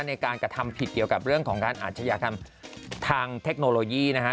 ในการกระทำผิดเกี่ยวกับเรื่องของการอาชญากรรมทางเทคโนโลยีนะฮะ